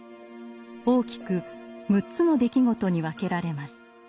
大きく６つの出来事に分けられます。